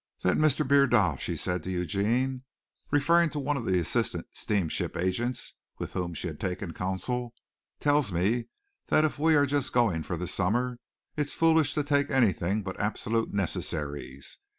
"That Mr. Bierdat," she said to Eugene, referring to one of the assistant steam ship agents with whom she had taken counsel, "tells me that if we are just going for the summer it's foolish to take anything but absolute necessaries.